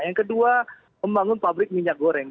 yang kedua membangun pabrik minyak goreng